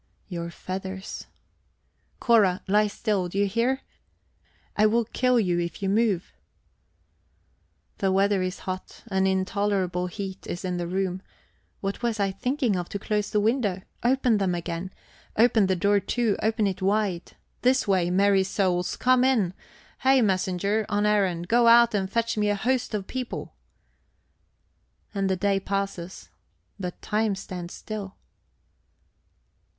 "Your feathers."... Cora, lie still do you hear? I will kill you if you move! The weather is hot, an intolerable heat is in the room; what was I thinking of to close the windows? Open them again open the door too; open it wide this way, merry souls, come in! Hey, messenger, an errand go out and fetch me a host of people... And the day passes; but time stands still.